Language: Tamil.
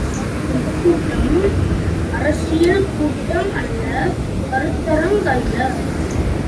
இக்கூட்டம் அரசியல் கூட்டமல்ல கருத்தரங்கல்ல.